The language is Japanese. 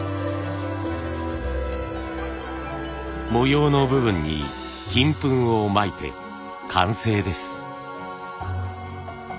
模様の部分に金粉をまいて完成です。